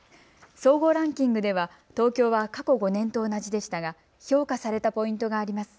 総合ランキングでは東京は過去５年と同じでしたが評価されたポイントがあります。